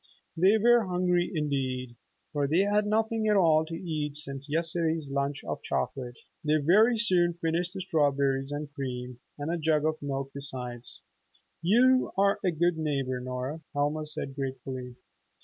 They were hungry indeed, for they had had nothing at all to eat since yesterday's lunch of chocolate. They very soon finished the strawberries and cream, and a jug of milk besides. "You are a good neighbor, Nora," Helma said gratefully.